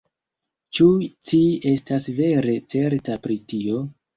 ĉu ci estas vere certa pri tio?